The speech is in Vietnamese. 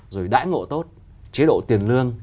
rồi đãi ngộ tốt chế độ tiền lương